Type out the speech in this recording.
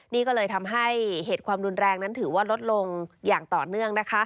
นี่ก็เลยทำให้เหตุความรุนแรงนั้นถือว่าลดลงอย่างต่อเนื่องนะคะ